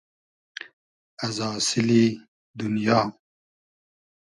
از آسیلی دونیا